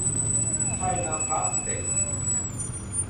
ไทยนามพลาสติกส์